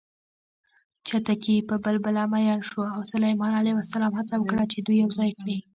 چتکي په بلبله مین شو او سلیمان ع هڅه وکړه چې دوی یوځای کړي